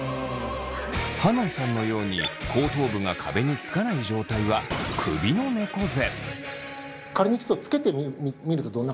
はのんさんのように後頭部が壁につかない状態は首のねこ背。